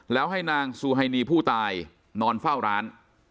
แล้วให้นางซูไฮนีผู้ตายนอนเฝ้าร้าน